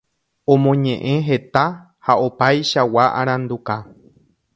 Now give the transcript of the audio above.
Omoñeʼẽ heta ha opaichagua aranduka.